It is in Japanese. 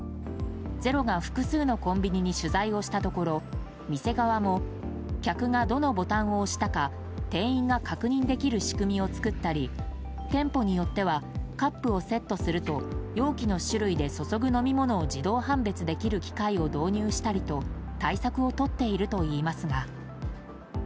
「ｚｅｒｏ」が複数のコンビニに取材をしたところ店側も客がどのボタンを押したか店員が確認できる仕組みを作ったり店舗によってはカップをセットすると容器の種類で注ぐ飲み物を自動判別できる機械を導入したりと対策をとっているといいますが。